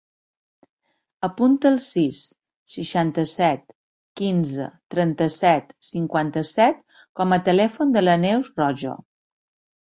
Apunta el sis, seixanta-set, quinze, trenta-set, cinquanta-set com a telèfon de la Neus Rojo.